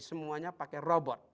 semuanya pakai robot